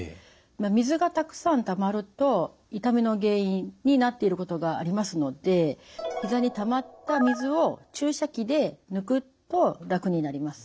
水がたくさんたまると痛みの原因になっていることがありますのでひざにたまった水を注射器で抜くと楽になります。